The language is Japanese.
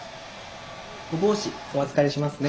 お帽子お預かりしますね。